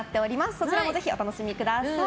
そちらもぜひお楽しみください。